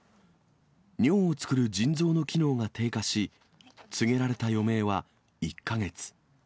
尿を作る腎臓の機能が低下し、告げられた余命は１か月。